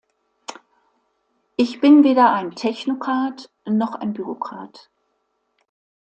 Ich bin weder ein Technokrat noch ein Bürokrat.